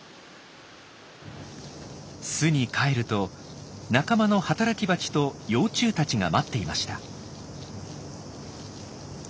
巣に帰ると仲間の働きバチと幼虫たちが待っていました。